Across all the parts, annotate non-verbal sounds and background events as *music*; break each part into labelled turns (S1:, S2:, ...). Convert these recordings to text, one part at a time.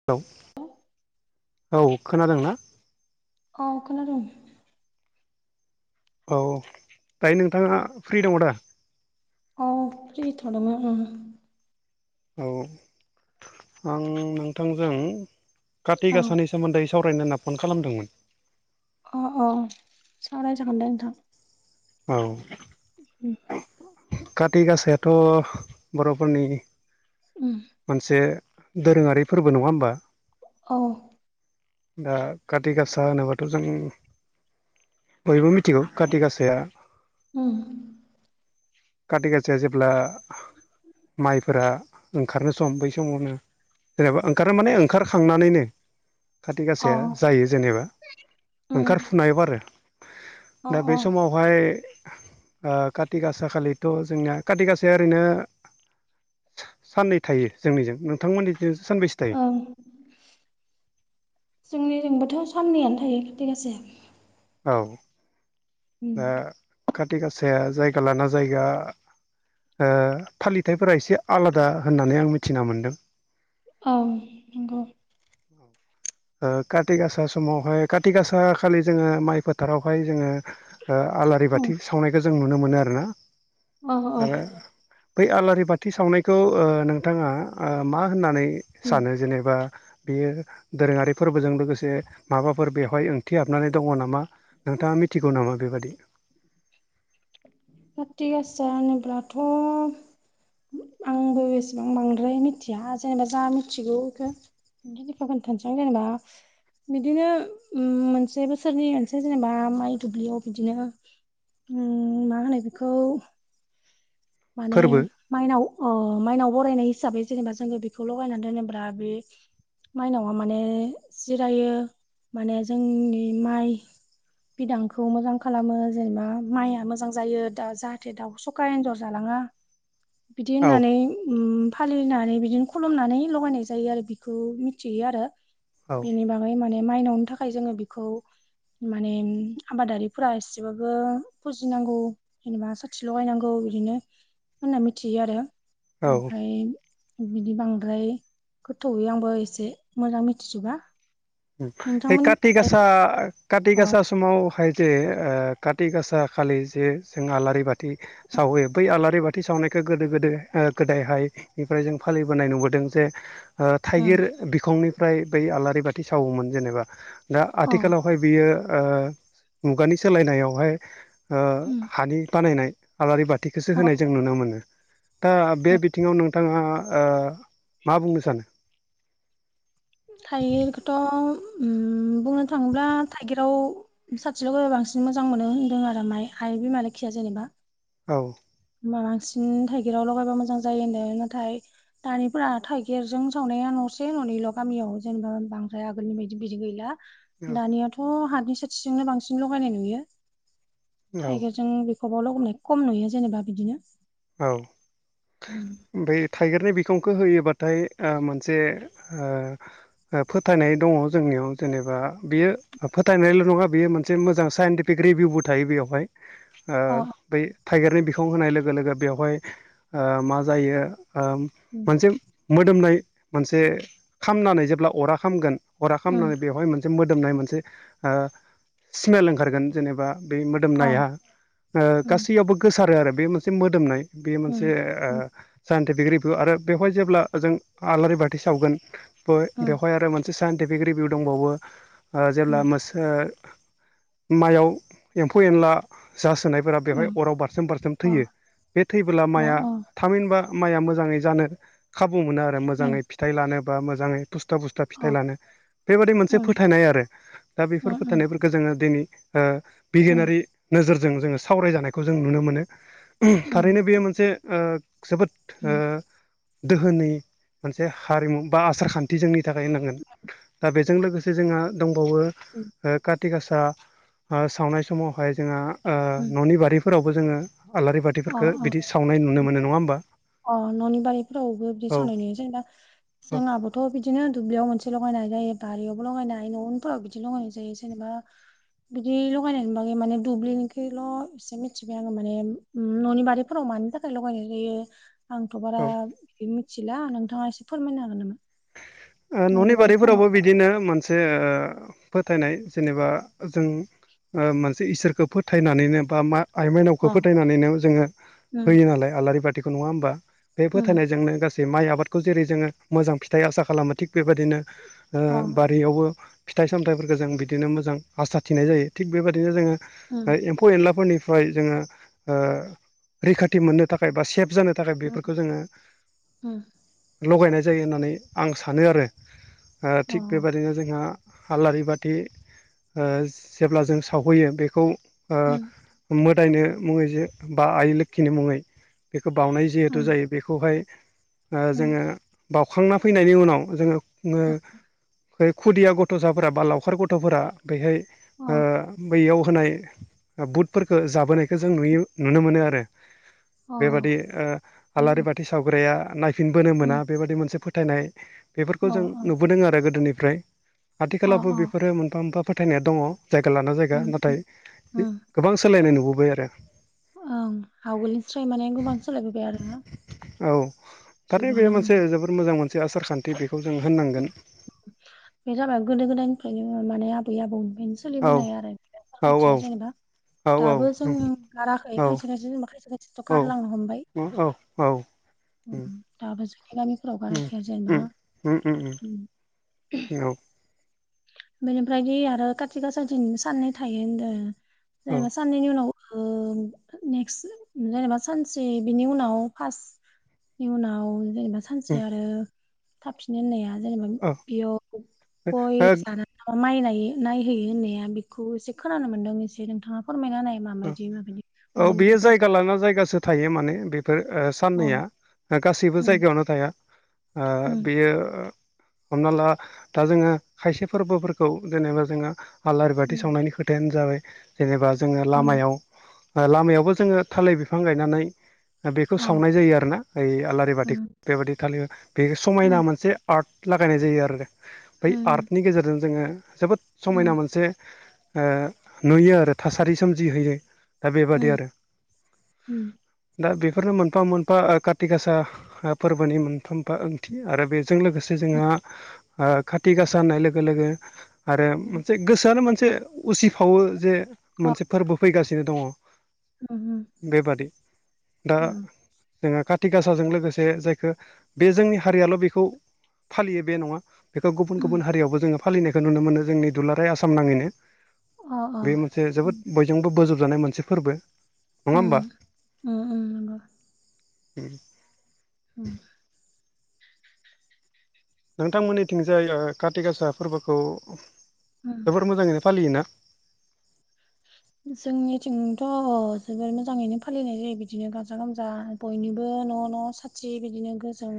S1: औ।
S2: औ
S1: औ खोनादोंना?
S2: औ खोनादों।
S1: औ दायो नोंथाङा फ्रि दंङ दा?
S2: अ फ्रि थ' दंङ उम।
S1: औ आं नोंथांजों काथि
S2: औ
S1: गासानि सोमोन्दै सावरायनो होनना फन खालामदोंमोन।
S2: अ अ सावराय जागोन दे नोंथां।
S1: औ।
S2: उम
S1: काति गासायाथ' बर'फोरनि।
S2: उम
S1: मोनसे दोरोङारि फोरबो नङा होमबा।
S2: औ
S1: दा काति गासा होनोबाथ' जों बयबो मिथिगौ काति गासाया
S2: उम।
S1: खाथि गासाया जेब्ला माइफोरा ओंखारनो सम बै समावनो जेनेबा ओंखारो माने ओंखारखांनानैनो खाथि
S2: अ
S1: गासाया जायो जेनेबा
S2: उम
S1: ओंखारफुनायाव आरो
S2: अ
S1: दा बे
S2: अ
S1: समावहाय ओ काति गासा खालि थ' जोंनिया काति गासाया ओरैनो। साननै थायो जोंनिजों नोंथांमोननिजों सानबेसे थायो
S2: ओं जोंनिजोंबोथ' साननैयानो थायो खाथि गासाया।
S1: औ
S2: उम
S1: ओ खाथि गाासाया जायगा लाना जायगा ओ, फालिथायफोरा एसे आलादा होननानै आं मिथिना मोन्दों।
S2: औ नंगौ।
S1: ओ काति गासा समावहाय काति गासा खालि जोङो माइ फोथारावहाय जोङो। ओ आलारि
S2: उम
S1: बाथि सावनायखौ जों नुनो मोनो आरोना
S2: औ औ
S1: आरो बै आलारि बाथि सावनायखौ ओ नोंथाङा मा होननानै
S2: उम
S1: सानो जेनेबा। बेयो दोरोङारि फोरबोजों लोगोसे माबाफोर बेवहाय ओंथि हाबनानै दङ नामा? नोंथाङा मिथिगौ नामा? बेबादि।
S2: काथि गासा होनोब्लाथ'। आंबो एसेबां बांद्राय मिथिया जेनेबा जा मिथिगौ इखो *unintelligible* जेनेबा। बिदिनो मोनसे बोसोरनि मोनसे जेनेबा माइ दुब्लियाव बिदिनो। उम मा होनो बेखौ। माने
S1: फोरबो
S2: माइनाव अ माइनाव बरायनाय हिसाबै जेनेबा जोङो बेखौ लगायनानै दोनोब्रा बे, माइनावा माने जिरायो माने जोंनि माइ, बिदांखौ मोजां खालामो जेनेबा माइया मोजां जायो दा जाहाथे दाउ सखा एन्जर, जालाङा बिदि
S1: औ
S2: होननानै उम, फालिनानै बिदिनो खुलुमनानै लगायनाय जायो आरो बिखौ मिथियो आरो
S1: औ
S2: बेनि बाग माने माइनावनो थाखाय जोङो बेखौ। माने आबादारिफोरा एसेबाबो फुजिनांगौ। जेनेबा साथि लगायनांगौ बिदिनो होनना मिथियो आरो
S1: औ
S2: ओमफ्राय। बिदि बांद्राय गोथौयै आंबो एसे मोजां मिथिजोबा।
S1: काथि
S2: नोंथांमोननिखैलाय
S1: गासा काथि
S2: अ
S1: गासा समावहाय जे ओ काति गासा खालि जे जों आलारि बाथि सावहैयो बै आलारि बाथि सावनायखौ गोदो गोदो गोदायहाय, बेनिफ्राय जों फालिबोनाय नुबोदों जे ओ थाइगिर
S2: उम
S1: बिखंनिफ्राय बै आलारि बाथि सावोमोन जेनेबा दा
S2: अ
S1: आथिखालाव, ओमफाय बियो ओ मुगानि सोलायनायावहाय ओ
S2: उम
S1: हानि बानायनाय, आलारि बाथिखौसो
S2: अ
S1: होनाय जों नुनो मोनो दा बे
S2: उम
S1: बिथिङाव नोंथाङा ओ, मा बुंनो सानो?
S2: थायगिर थ' बुंनो थाङोब्ला थाइगिराव। साथि लगायबा बांसिन मोजां मोनो होन्दों आरो माइ आइ बिमा लोखिया जेनेबा
S1: औ
S2: बांसिन थाइगिराव लगायबा मोजां जायो होनदों नाथाय दानिफोरा थाइगिरजों सावनाया न'से न'नैल' गामियाव जेनेबा बांद्राय आगोलनि बायदि बिदि गैला।
S1: औ
S2: दानियाथ' हानि साथिजोंनो बांसिन लगायनाय नुयो
S1: औ
S2: थाइगिरजों बे खबावल' हमनाय खम नुयो जेनेबा बिदिनो
S1: औ
S2: होम
S1: ओमफ्राय थाइगिरनि बिखंखो होयोबाथाय मोनसे ओ, फोथायनाय दङ जोंनियाव जेनेबा बियो। फोथायनायल' नङा बेयो मोनसे मोजां साइन्टिफिक रिभिउबो थायो बेयावहाय। ओ
S2: अ
S1: बै थाइगिरनि बिखं होनाय लोगो लोगो बेवहाय ओ मा जायो।
S2: उम
S1: मोनसे मोदोमनाय मोनसे खामनानै जेब्ला अरा खामगोन। अरा खामनानै बेवहाय मोनसे मोदोमनाय मोनसे ओ सिमेल ओंखारगोन जेनबा? बे
S2: अ
S1: मोदोमनाया
S2: उम
S1: गासैयावबो गोसारो आरो बे मोनसे मोदोमनाय। बेयो मोनसे
S2: उम
S1: साइन्टिफिक रिभिउ आरो बेवहाय जेब्ला जों आलारि बाथि सावगोन
S2: उम
S1: बेवहाय आरो मोनसे साइन्टिफिक रिभिउ दंबावो।
S2: उम
S1: जेब्ला मोसो माइयाव एम्फौ एनला जासोनायफोरा बेवहाय
S2: उम
S1: अराव बारसोम बारसोम
S2: अ
S1: थैयो बे थैबोब्ला
S2: अ
S1: माइआ थामहिनबा माइआ मोजाङै जानो खाबु मोनो आरो
S2: उम
S1: मोजाङै फिथाइ लानो बा मोजाङै बुस्था बुस्था फिथाइ
S2: अ
S1: लानो बेबादि मोनसे
S2: उम
S1: फोथायनाय आरो दा बेफोर
S2: उम
S1: फोथायनायफोरखौ जोङो दिनै
S2: उम
S1: बिगियानारि नोजोरजों जोङो सावराय जानायखौ जों नुनो मोनो।
S2: उम
S1: थारैनो बेयो मोनसे ओ जोबोद ओ
S2: उम
S1: दोहोनि मोनसे हारिमु बा आसार खान्थि जोंनि थाखाय होनांगोन। दा बेजों लोगोसे जोंहा दंबावो
S2: उम
S1: काति गासा सावनाय समावहाय जोंहा ओ
S2: उम
S1: न'नि बारिफोरावबो जोङो आलारि
S2: अ
S1: बाथिफोरखो
S2: अ
S1: बिदि सावनाय नुनो मोनो नङा होमबा।
S2: अ न'नि बारिफोरावबो बिदि
S1: औ
S2: सावनाय नुयो जेनबा
S1: औ
S2: जोंहाबोथ' बिदिनो दुब्लियाव मोनसे लगायनाय जायो बारियावबो लगायनो हायो न'नफोराव बिदि लगायनाय जायो जेनेबा बिदि लगायनाय नुबोआखै माने दुब्लिनिखिल' एसे मिथिबाय आङो माने न'नि बारिफोराव मानि थाखाय लगायनाय जायो। आंथ' बारा
S1: औ ओ
S2: मिथिला नोंथाङा एसे फोरमायनो हागोन नामा?
S1: न'नि
S2: बारिफोराव मा
S1: बारिफोरावबो बिदि बिदिनो मोनसे ओ फोथायनाय जेनेबा जों मोनसे इसोरखो फोथायनानैनो बा मा आइ माइनावखौ
S2: अ
S1: फोथायनानैनो जोङो
S2: उम
S1: होयो नालाय आलारि बाथिखौ नङा होमबा बे
S2: उम
S1: फोथायनायजोंनो गासै माइ आबादखौ जेरै जोङो मोजां फिथाइ आसा खालामो थिग बेबायदिनो
S2: अ
S1: बारियावबो फिथाइ सामथाइफोरखौ जों बिदिनो मोजां हासा थिनाय जायो थिग बेबायदिनो जोङो
S2: उम
S1: एम्फौ एनलाफोरनिफ्राय जोङो रैखाथि मोननो थाखाय बा सेभ जानो थाखाय थाखाय
S2: उम
S1: बेफोरखौ जोङो
S2: उम
S1: लगायनाय जायो होननानै आं सानो आरो
S2: अ
S1: थिग बेबादिनो जोंहा आलारि बाथि जेब्ला जों सावहैयो बेखौ
S2: उम
S1: मोदायनो मुङै जे बा आइ लोखिनि मुङै। बेखौ बाउनाय जिहेथु
S2: उम उम
S1: जायो बेखौहाय
S2: उम
S1: जोङो बाउखांना फैनायनि उनाव जोङो ओ बे खुदिया गथ'साफोरा बा लावखार गथ'फोरा बेहाय
S2: अ
S1: ओ बैयाव होनाय बुटफोरखौ जाबोनायखौ जों नुयो नुनो मोनो आरो। बेबादि
S2: अ
S1: ओ आलारि
S2: उम
S1: बाथि सावग्राया नायफिनबोनो
S2: उम
S1: मोना बेबायदि मोनसे फो फोथायनाय बेफोरखौ
S2: अ
S1: जों
S2: अ
S1: नुबोदों आरो गोदोनिफ्राय
S2: अ
S1: आथिखालावबो
S2: अ
S1: बेफोरो मोनफा मोनफा फोथाय फोथायनाया दङ जायगा लाना जायगा
S2: उम
S1: नाथाय
S2: उम
S1: गोबां सोलायनाय नुबोबाय आरो।
S2: ओं आवगोलनिफ्राय माने गोबां सोलायबोबाय आरो।
S1: औ थारै बे
S2: जुगानो
S1: मोनसे जोबद मोजां मोनसे आसार खान्थि बेखौ जों होननांगोन।
S2: बे जाबाय गोदो गोदायनिफ्रायनो माने आबै आबौमोन
S1: औ
S2: सोलिबोनाय आरो
S1: औ
S2: खान्थिया जेनेबा
S1: औ
S2: दाबो जों
S1: औ
S2: गाराखै खायसे
S1: औ
S2: खायसे जेनेबा खायसे खायसेथ' गारलांनो हमबाय।
S1: हो औ औ। उम
S2: ओम दाबो जोंनि गामिफोरावबा
S1: उम
S2: खाया जेनबा ना।
S1: उम उम उम औ।
S2: बेनिफ्राय दि आरो काथि गासा थिं साननै थायो होनदों
S1: औ
S2: जेनेबा साननैनि उनाव ओ नेक्स्ट जेनेबा सानसे बिनि उनाव फार्स्ट नि उनाव। जेनेबा सानसे आरो थाफिननो होननाया जेनेबा
S1: औ
S2: बेयाव गय *unintelligible* नायनाय नायहैयो होननाया बेखौ एसे खोनानो मोनदों एसे नोंथाङा फोरमायना होनाय माबायदि मानो
S1: बेयो
S2: बिदि *inaudible*
S1: जायगा जायगासो थायो माने बेफोर ओ सो
S2: औ
S1: साननैया गासैबो
S2: उम
S1: जायगायावनो थाया ओ
S2: उम
S1: बेयो ओ हमना ला दा जोङो खायसे फोरबोफोरखौ जेनेबा जोंना आलारि बाथि
S2: उम
S1: सावनायनि खोथायानो जाबाय जेनेबा जोङो
S2: उम
S1: लामायाव ओ लामायावबो जोङो थालिर बिफां गायनानै ओ बेखौ
S2: अ
S1: सावनाय जायो आरो ना ओइ आलारि बाथि।
S2: उम
S1: बेबायादि थालिर बे समायना
S2: उम
S1: मोनसे आर्ट लागायनाय जायो आरोे दे। बै
S2: उम
S1: आर्टनि गेजेरजों जोङो जोबोद समायना
S2: उम
S1: मोनसे ओ नुयो आरो थासारि सोमजिहोयो दा बेबादि
S2: उम
S1: आरो।
S2: उम
S1: दा बेफोरनो मोनफा मोनफा ओ कारति गासा ओ फोरबोनि मोनफा मोनफा ओंथि आरो बे जों लोगोसे जोंहा ओ काथिगासा होननाय लोगो लोगो आरो
S2: उम
S1: मोनसे गोसोआनो मोनसे उसिफावो जे
S2: अ
S1: मोनसे फोरबो फैगासिनो दङ।
S2: उम उम
S1: बेबादि दा
S2: उम
S1: जोङो काथि गासाजों लोगोसे जायखौ बे जोंनि हारियाल' बेखौ फालियो बे नङा। बेखौ गुबुन
S2: उम
S1: गुबुन हारियावबो जोङो फालिनायखौ नुनो मोनो जोंनि दुलाराय आसाम नाङै नो।
S2: अ अ
S1: बे मोनसे जोबोद
S2: उम
S1: बयजोंबो बोजबजानाय मोनसे फोरबो। नङा होमबा?
S2: उम उम उम नंगौ उम।
S1: नोंथांमोननिथिंजाय ओ कारति गासा फोरबोखौ
S2: उम
S1: जोबोर मोजाङै नो फालियो ना?
S2: जोंनिथिंथ' अ जोबोर मोजाङै नो फालिनाय जायो बिदिनो गाजा गोमजा। बयनिबो न' न' साथि बिदिनो गोजों।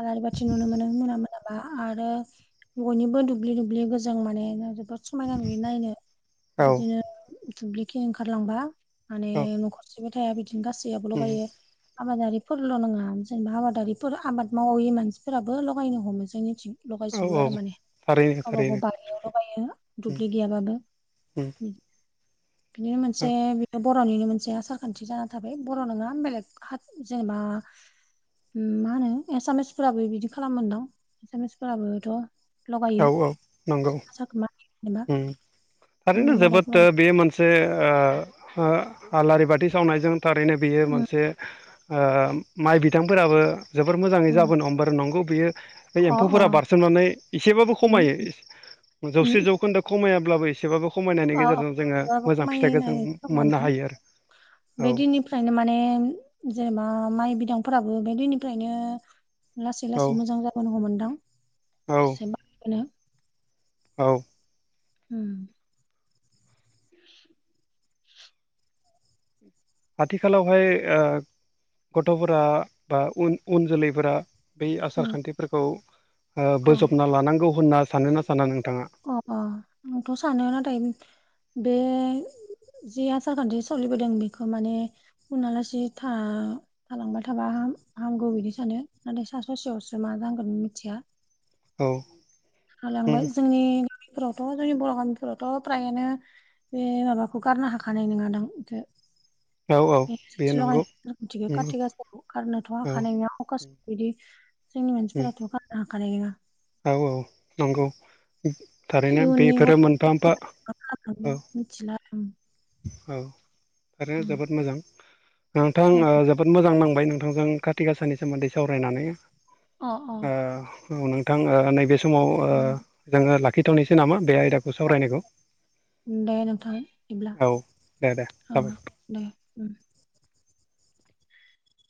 S2: आलारि बाथि नुनो मोनो मोना मोनाबा आरो। बयनिबो दुब्लि दुब्लि गोजां माने जोबोद समायना नुयो नायनो
S1: औ
S2: बिदिनो दुब्लिखि ओंखारलांबा माने
S1: औ
S2: न'खरसेबो थाया बिदिनो गासैयाबो
S1: उम
S2: लगायो। आबादारिफोरल' नङा जेनेबा आबादारिफोर आबाद मावैै मानसिफोराबो लगायनो हमो जोंनिथिं।
S1: औ
S2: लगायजोबो
S1: औ
S2: आरो माने
S1: थारैनो
S2: गावबा
S1: थारैनो
S2: गाव बारियाव लगायो दुब्लि गैयाबाबो।
S1: उम।
S2: बिनो मोनसे
S1: उम
S2: *inaudible* बर'निनो मोनसे आसार खान्थि जाना थाबाय बर' नङा बेलेग हात जेनेबा ओम मा होनो एसामिसफोराबो बिदि खालामोनदां एसामिस फोराबोथ' लगायो
S1: औ औ नंगौ
S2: आसा खोमा एबा
S1: उम थारैनो जोबोद ओ बे मोनसे ओ हो आलारि बाथि सावनायजों थारैनो बेयो
S2: उम
S1: मोनसे ओ माइ बिथांफोराबो जोबोर मोजाङै
S2: उम
S1: जाबोनो हमबारो नंगौ बियो बे
S2: अ अ
S1: एम्फौफोरा बारसोमनानै एसेबाबो
S2: उम
S1: खमायो जौसे
S2: उम
S1: जौखोन्दो खमायाब्लाबो एसेबाबो। खमायनायनि
S2: अ अ
S1: गेजेरजों जोङो
S2: एसेबाबो
S1: मोजां फिथाइखौ जों
S2: खमायनाय
S1: मोननो हायो आरो। औ।
S2: फ्रायनो माने जेनेबा माइ बिदांफोराबो बे दिननिफ्रायनो लासै
S1: औ
S2: लासै मोजां जाबोनो हमोन दां
S1: औ
S2: एसे *inaudible*
S1: औ।
S2: ओम।
S1: आथिखालाव हाय ओ गथ'फोरा बा उन उन जोलैफोरा। बै आसार
S2: उम
S1: खान्थिफोरखौ ओ
S2: अ
S1: बोजबना लानांगौ होनना सानो ना साना नोंथाङा?
S2: *unintelligible* आंथ' सानो नाथाय बे जि आसार खान्थि सोलिबोदों बेखौ माने उनालासे था थालांबाय थाबा हा-हामगौ बिदि सानो नाथाय सा ससेयावसो मा जागोन मिथिया।
S1: औ उम
S2: हालांबाय जोंनि गामिफोरावथ' जोंनि बर' गामिफोरावथ' फ्रायानो बे माबाखौ गारनो हाखानाय नङादां
S1: औ औ बेयो
S2: बेथि
S1: नंगौ
S2: लायथि
S1: उम
S2: कथि गासाखौ गारनोथ'
S1: औ
S2: हानाय नङा बिदि जोंनि
S1: उम
S2: मानसिफोराथ' गारनो हाखानाय नङा
S1: औ औ नंगौ थारैनो
S2: इयुननि
S1: बेफोरो
S2: गथ'
S1: मोनफा मोनफा
S2: गथायफोरा मा
S1: औ
S2: खालामलांदों मिथिला आरो
S1: औ थारैनो जोबोद मोजां नोंथां ओ जो जोबोद मोजां नांबाय नोंथांजों खाथि गाासानि सोमोन्दै सावरायनानै
S2: अ
S1: ओ थां ओ नैबे ओ समाव जोङो लाखिथावनोसै नामा बे आयदाखौ सावरायनायखौ?
S2: दे नोंथां बिब्ला
S1: औ दे दे
S2: औ
S1: जाबाय
S2: दे उम